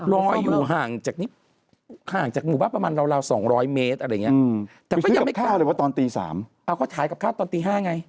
รอยอยู่ห่างจากหมู่บ้านประมาณราว๒๐๐เมตรอะไรอย่างนี้